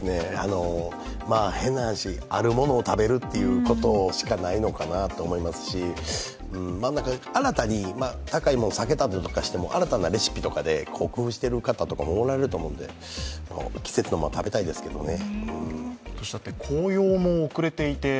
変な話、あるものを食べるということしかないのかなと思いますし高いものを避けたりしても、新たなレシピとかで工夫してる方もおられると思うんで季節のもの、食べたいですけはどね。